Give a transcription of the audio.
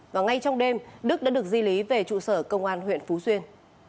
và ngay trong đêm đức đã được di lý về trụ sở công an huyện phú xuyên